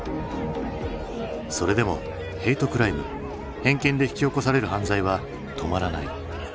それでもヘイトクライム偏見で引き起こされる犯罪は止まらない。